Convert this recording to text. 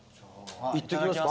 いっときますか？